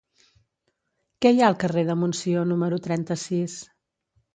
Què hi ha al carrer de Montsió número trenta-sis?